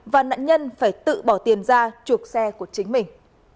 và nạn nhân phải tự bỏ tiền ra chuộc xe của chính mình